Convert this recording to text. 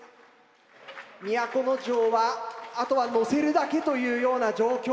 都城はあとはのせるだけというような状況です。